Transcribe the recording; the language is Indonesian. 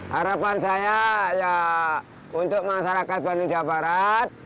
harapan saya ya untuk masyarakat bandung jawa barat